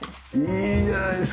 いいじゃないですか。